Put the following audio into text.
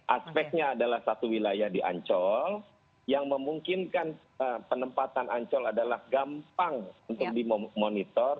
aspeknya adalah satu wilayah di ancol yang memungkinkan penempatan ancol adalah gampang untuk dimonitor